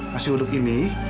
nasi uduk ini